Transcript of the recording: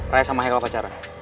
raya sama haikal pacaran